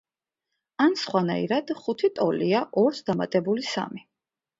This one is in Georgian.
ან სხვანაირად — ხუთი ტოლია ორს დამატებული სამი.